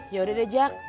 yaudah deh jack